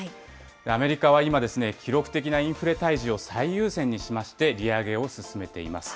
アメリカは今、記録的なインフレ退治を最優先にしまして、利上げを進めています。